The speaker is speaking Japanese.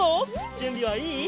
じゅんびはいい？